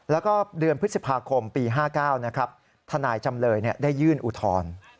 แล้วก็เดือนพฤษภาคมปี๕๙ถนายจำเลยได้ยื่นอุทร